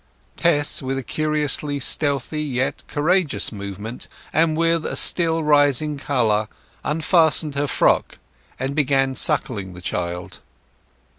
Tess, with a curiously stealthy yet courageous movement, and with a still rising colour, unfastened her frock and began suckling the child.